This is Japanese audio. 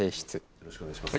よろしくお願いします。